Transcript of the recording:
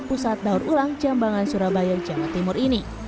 pusat daur ulang jambangan surabaya jawa timur ini